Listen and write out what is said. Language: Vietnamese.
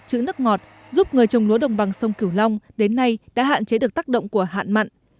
chữ nước ngọt giúp người trồng lúa đồng bằng sông cửu long đến nay đã hạn chế được tác động của hạn mặn